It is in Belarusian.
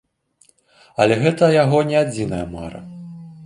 Але гэта яго не адзіная мара.